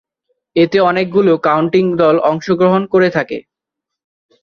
এতে অনেকগুলো কাউন্টি দল অংশগ্রহণ করে থাকে।